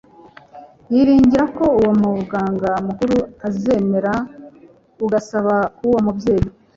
yiringira ko uwo Muganga mukuru azemera ugusaba k'uwo mubyeyi'.